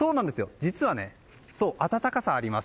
実は、暖かさがあります。